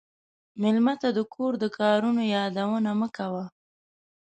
مېلمه ته د کور د کارونو یادونه مه کوه.